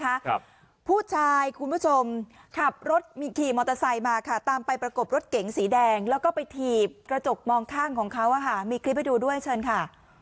ครับผู้ชายคุณผู้ชมขับรถมีขี่มอเตอร์ไซค์มาค่ะตามไปประกบรถเก๋งสีแดงแล้วก็ไปถีบกระจกมองข้างของเขาอ่ะค่ะมีคลิปให้ดูด้วยเชิญค่ะ